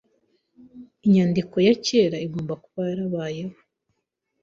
inyandiko ya kera igomba kuba yarabayeho